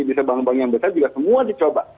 bisa bank bank yang besar juga semua dicoba